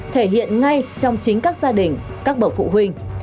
thể hiện ngay trong chính các gia đình các bậc phụ huynh